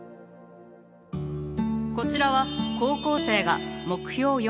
こちらは高校生が目標４